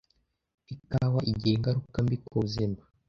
ikawa igira ingaruka mbi kubuzima